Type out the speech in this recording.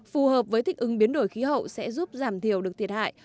phù hợp với thích ứng biến đổi khí hậu sẽ giúp giảm thiểu được thiệt hại